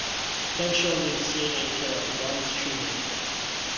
"Kensho" means "seeing into one's true nature.